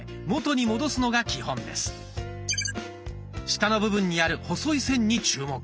下の部分にある細い線に注目！